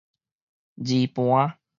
字盤